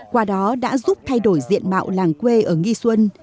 qua đó đã giúp thay đổi diện mạo làng quê ở nghi xuân